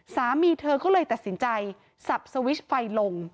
สามีเธอก็เลยตัดสินใจสับสวิชไฟลง